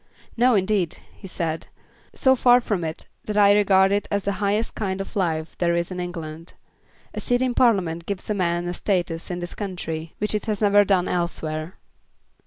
"No, indeed," he said. "So far from it, that I regard it as the highest kind of life there is in England. A seat in Parliament gives a man a status in this country which it has never done elsewhere."